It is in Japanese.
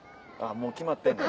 もう決まってんねん。